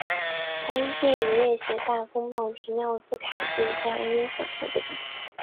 他因电影烈血大风暴提名奥斯卡最佳音响效果奖。